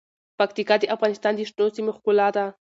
پکتیکا د افغانستان د شنو سیمو ښکلا ده.